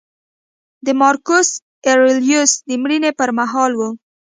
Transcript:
د مارکوس اریلیوس د مړینې پرمهال و